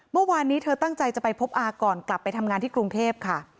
เมื่อวานนี้เธอตั้งใจจะไปพบอาก่อนกลับไปทำงานที่กรุงเทพค่ะ